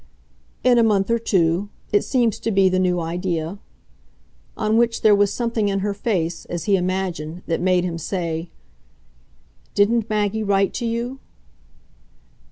"In a month or two it seems to be the new idea." On which there was something in her face as he imagined that made him say: "Didn't Maggie write to you?"